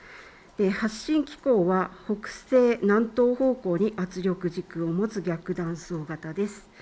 発震機構は北西南東方向に圧力軸を持つ逆断層型です。